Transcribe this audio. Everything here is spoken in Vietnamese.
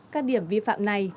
các điểm vi phạm này